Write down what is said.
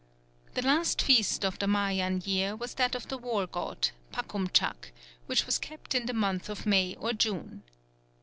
The last feast of the Mayan year was that of the War God, Pacumchac, which was kept in the month of May or June.